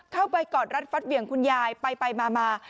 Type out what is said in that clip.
เข้าไปกอดรัดฟัดเวียงคุณยายไปมา